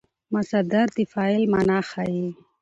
مصدر د فعل مانا ښيي.